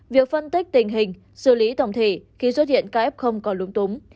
việc phân tích tình hình xử lý tổng thị khi xuất hiện ca f còn lúng túng